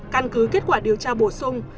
căn cứ kết quả điều tra bổ sung